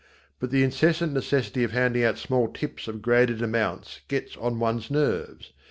But the incessant necessity of handing out small tips of graded amounts gets on one's nerves.